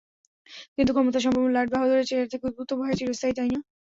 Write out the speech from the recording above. কিন্তু ক্ষমতাসম্পন্ন লাট-বাহাদুরের চেয়ার থেকে উদ্ভূত ভয় চিরস্থায়ী, তাই না?